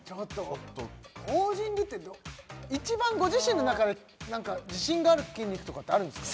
ポージングって一番ご自身の中で自信がある筋肉とかってあるんですか？